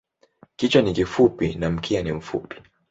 Kichwa ni kifupi na mkia ni mfupi.